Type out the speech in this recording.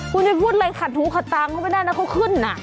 คุณจะพูดอะไรขัดหูขัดตางเขาไม่ได้นะเขาขึ้น